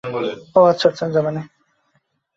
তিনি ছিলেন জার্মান জাতীয়তাবাদীও ।